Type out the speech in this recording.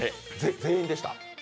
全員でした？